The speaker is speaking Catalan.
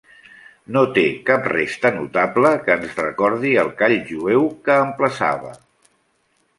No té cap resta notable que ens recordi el call jueu que emplaçava.